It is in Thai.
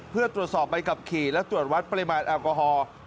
เพื่อตรวจสอบใบขับขี่และตรวจวัดปริมาณแอลกอฮอล์